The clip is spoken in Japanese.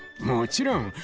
もちろん。